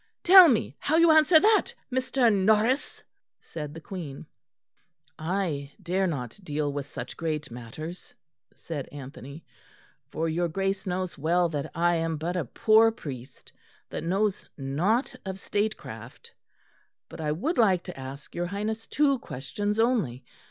"Tell me how you answer that, Mr. Norris?" said the Queen. "I dare not deal with such great matters," said Anthony, "for your Grace knows well that I am but a poor priest that knows nought of state craft; but I would like to ask your Highness two questions only.